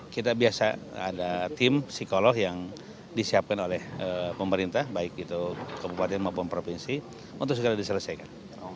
kita biasa ada tim psikolog yang disiapkan oleh pemerintah baik itu kabupaten maupun provinsi untuk segala diselesaikan